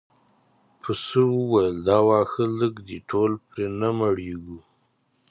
پسه وویل دا واښه لږ دي ټول پرې نه مړیږو.